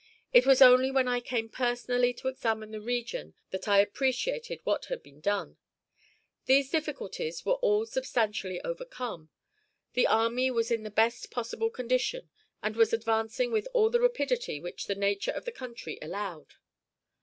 It was only when I came personally to examine the region that I appreciated what had been done. These difficulties were all substantially overcome. The army was in the best possible condition, and was advancing with all the rapidity which the nature of the country allowed.